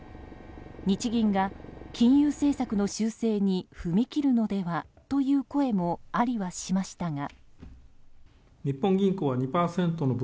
日銀が金融政策の修正に踏み切るのではという声もありはしましたが。